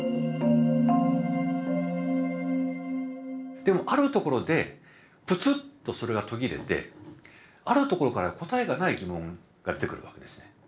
でもあるところでプツッとそれが途切れてあるところから答えがない疑問が出てくるわけですね。